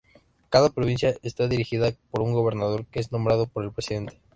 Cada provincia está dirigida por un gobernador que es nombrado por el presidente.